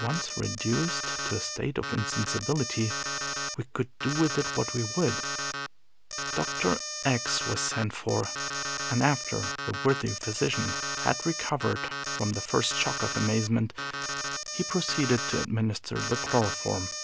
Once reduced to a state of insensibility, we could do with it what we would. Doctor X was sent for; and after the worthy physician had recovered from the first shock of amazement, he proceeded to administer the chloroform.